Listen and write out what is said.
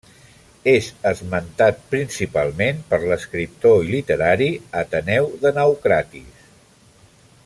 És esmentat principalment per l'escriptor i literat Ateneu de Naucratis.